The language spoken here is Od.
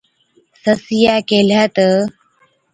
سسِيئَي ڪيهلَي تہ،